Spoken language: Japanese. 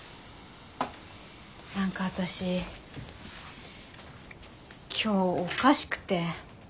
何か私今日おかしくて。